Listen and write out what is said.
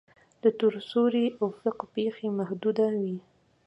د تور سوري افق پیښې محدوده وي.